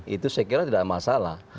itu saya kira tidak masalah